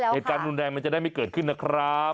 เหตุการณ์รุนแรงมันจะได้ไม่เกิดขึ้นนะครับ